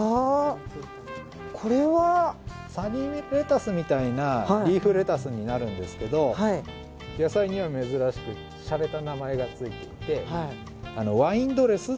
サニーレタスみたいなリーフレタスになるんですけど野菜には珍しくしゃれた名前がついていて。